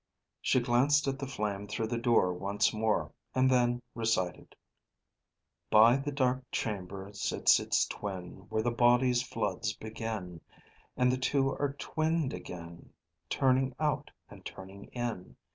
She glanced at the flame through the door once more and then recited: "_By the dark chamber sits its twin, where the body's floods begin; and the two are twinned again, turning out and turning in.